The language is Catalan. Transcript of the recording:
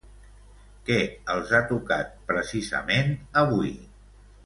Què els ha tocat precisament avui?